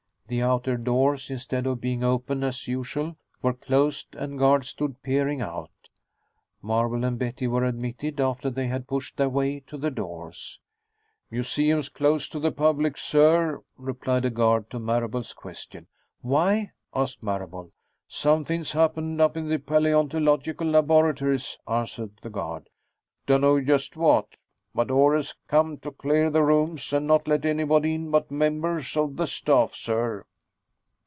The outer doors, instead of being open as usual, were closed and guards stood peering out. Marable and Betty were admitted, after they had pushed their way to the doors. "Museum's closed to the public, sir," replied a guard to Marable's question. "Why?" asked Marable. "Somethin's happened up in the paleontological laboratories," answered the guard. "Dunno just what, but orders come to clear the rooms and not let anybody in but members of the staff, sir."